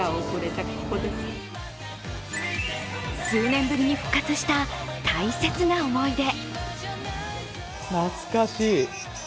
数年ぶりに復活した大切な思い出。